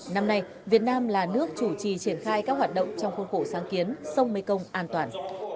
năm nay việt nam là nước chủ trì triển khai các hoạt động trong khuôn khổ sáng kiến sông mekong an toàn